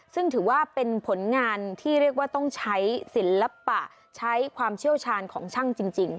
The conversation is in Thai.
ซึ่งถือว่าเป็นผลงานที่เรียกว่าต้องใช้ศิลปะใช้ความเชี่ยวชาญของช่างจริง